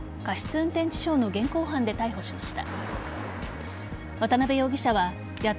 運転致傷の現行犯で逮捕しました。